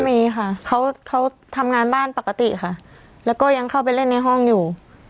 ไม่มีค่ะเขาเขาทำงานบ้านปกติค่ะแล้วก็ยังเข้าไปเล่นในห้องอยู่